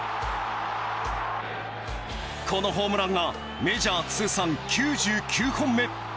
このホームランがメジャー通算９９本目。